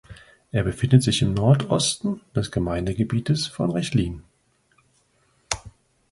Er befindet sich im Nordosten des Gemeindegebietes von Rechlin.